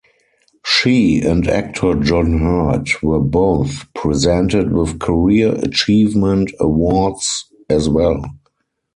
She and actor John Hurt were both presented with Career Achievement Awards as well.